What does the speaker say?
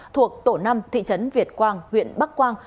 thuộc tổ năm thị trấn việt quang huyện bắc quang